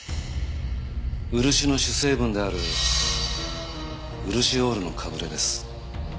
漆の主成分であるウルシオールのかぶれです。